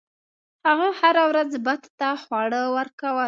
هغه هره ورځ بت ته خواړه ورکول.